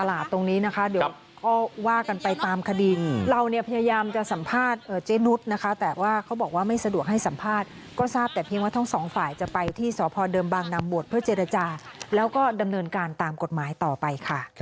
อันนี้ก็เลยให้พี่สาวกับพี่ชายไปคุณจัดการไป